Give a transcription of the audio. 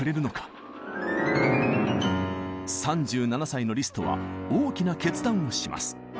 ３７歳のリストは大きな決断をします。